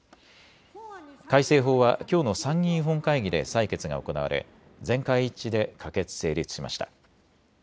改正法はきょうの参議院本会議で採決が行われ全会一致で可決・成立しました。